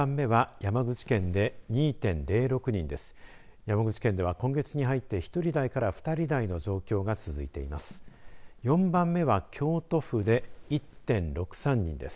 山口県では今月に入って１人台から２人台の状況が続いています。